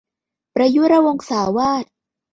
ประยุรวงศาวาส